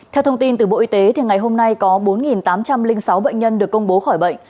theo thông tin từ bộ y tế ngày hôm nay có bốn tám trăm linh sáu bệnh nhân được công bố khỏi bệnh